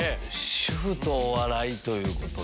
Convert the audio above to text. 主婦とお笑いということで。